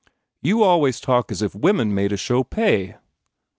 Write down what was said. "You always talk as if women made a show pay!"